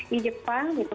di jepang gitu